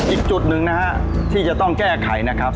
อีกจุดหนึ่งนะฮะที่จะต้องแก้ไขนะครับ